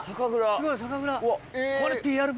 すごい酒蔵。